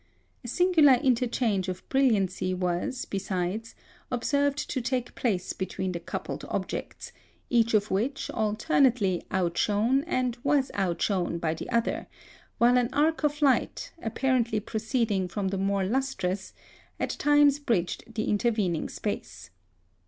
A singular interchange of brilliancy was, besides, observed to take place between the coupled objects, each of which alternately outshone and was outshone by the other, while an arc of light, apparently proceeding from the more lustrous, at times bridged the intervening space.